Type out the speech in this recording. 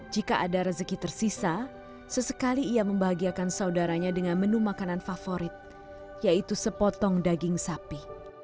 jika ada rezeki tersisa sesekali ia membahagiakan saudaranya dengan menu makanan favorit yaitu sepotong daging sapi